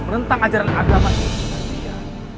merentang ajaran agama ini